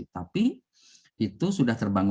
tapi itu sudah terbangun